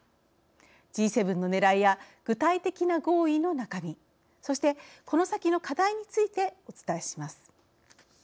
Ｇ７のねらいや具体的な合意の中身そして、この先の課題についてお伝えします。